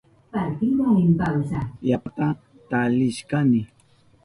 Yapata talishkani.